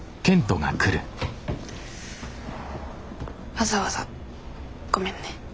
わざわざごめんね。